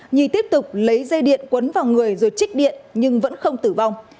nhi tiếp tục lấy dây điện quấn vào người rồi trích điện nhưng vẫn không tử vong